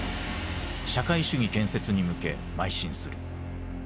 社会主義建設に向けまい進する。